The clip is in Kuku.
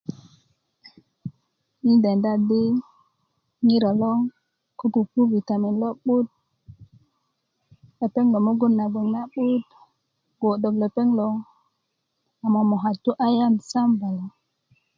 n denda di ŋero lo ko pupu bitamen lo a lo'but lepeŋ mugun gboŋ na 'but wö lepeŋ lo a mömökatu ayan sabala